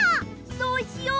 そうしよう！